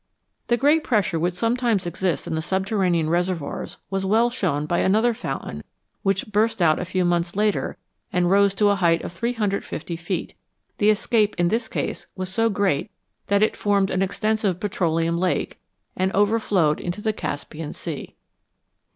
The great pressure which sometimes exists in the subterranean reservoirs was well shown by another fountain which burst out a few months later and rose to a height of 350 feet ; the escape in this case was so great that it formed an extensive petroleum lake, and overflowed into the Caspian Sea.